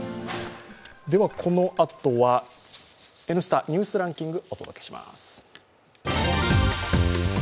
このあとは「Ｎスタ・ニュースランキング」です。